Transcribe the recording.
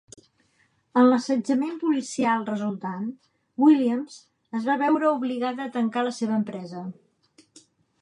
En l'assetjament policial resultant, Williams es va veure obligada a tancar la seva empresa.